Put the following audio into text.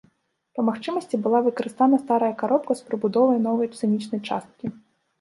Па магчымасці была выкарыстана старая каробка з прыбудовай новай сцэнічнай часткі.